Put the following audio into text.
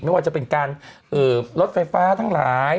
ไม่ว่าจะเป็นการลดไฟฟ้าทั้งหลาย